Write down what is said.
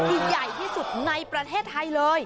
ใหญ่ที่สุดในประเทศไทยเลย